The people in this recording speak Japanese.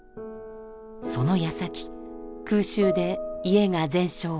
そのやさき空襲で家が全焼。